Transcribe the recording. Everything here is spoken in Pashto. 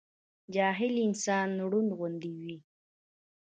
جاهل انسان رونډ غوندي وي